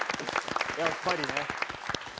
やっぱりね。